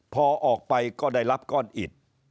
พอออกไปก็ได้รับก้อนอิด